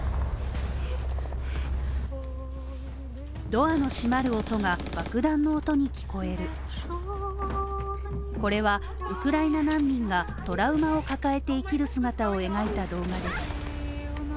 ドアの閉まる音が爆弾の音に聞こえるこれはウクライナ難民がトラウマを抱えて生きる姿を描いた動画です。